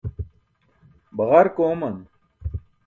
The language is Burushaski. Baġark ooman.